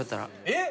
えっ？